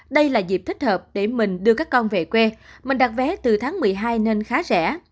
đây là dịp thích hợp để mình đưa các con về quê mình đặt vé từ tháng một mươi hai nên khá rẻ